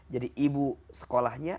jadi ibu sekolahnya